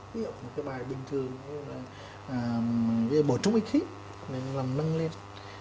ví dụ như cái bài bình thường bổ trúc ích khí mình làm nâng lên